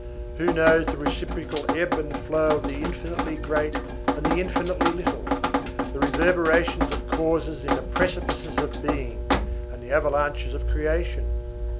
Who knows the reciprocal ebb and flow of the infinitely great and the infinitely little, the reverberations of causes in the precipices of being, and the avalanches of creation?